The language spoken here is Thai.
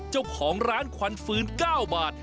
เจ้าของร้านควันฟื้น๙บาท